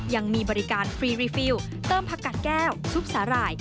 ยังมีบริการฟรีรีฟิลเติมผักกัดแก้วซุปสาหร่าย